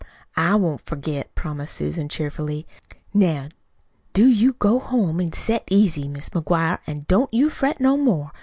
"I won't forget," promised Susan cheerfully, "Now, do you go home an' set easy, Mis' McGuire, an' don't you fret no more.